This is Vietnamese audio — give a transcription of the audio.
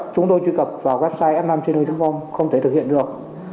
chúng tôi truy cập vào website m năm trên hệ thống không thể thực hiện được